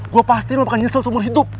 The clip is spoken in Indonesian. gue pastiin lo bakal nyesel seumur hidup